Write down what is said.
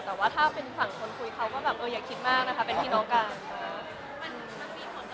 แต่ว่าถ้าเป็นฝั่งคนคุยเขาก็แบบเอออย่าคิดมากนะคะเป็นพี่น้องกัน